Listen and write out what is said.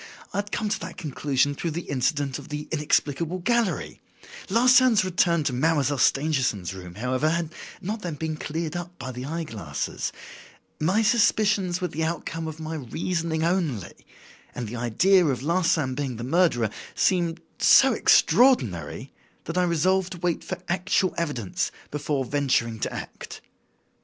I had come to that conclusion through the incident of the 'inexplicable gallery.' Larsan's return to Mademoiselle Stangerson's room, however, had not then been cleared up by the eye glasses. My suspicions were the outcome of my reasoning only; and the idea of Larsan being the murderer seemed so extraordinary that I resolved to wait for actual evidence before venturing to act.